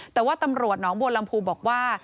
แต่ว่าตำรวจหนองบัวลำพูบอกว่า